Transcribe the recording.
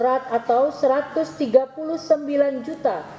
atau satu ratus tiga puluh sembilan sembilan ratus tujuh puluh satu dua ratus enam puluh